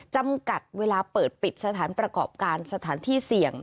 จำกัดเวลาเปิดปิดสถานประกอบการสถานที่เสี่ยง